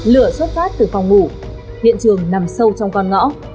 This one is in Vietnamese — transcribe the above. lửa xuất phát từ phòng ngủ hiện trường nằm sâu trong con ngõ